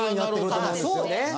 そうね。